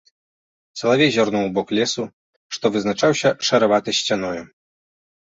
Салавей зірнуў у бок лесу, што вызначаўся шараватай сцяною.